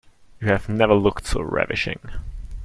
You have never looked so ravishing.